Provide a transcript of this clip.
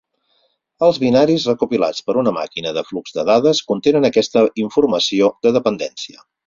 Els binaris recopilats per una màquina de flux de dades contenen aquesta informació de dependència.